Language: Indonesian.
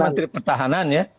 menteri pertahanan ya